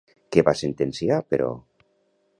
Què va sentenciar, però?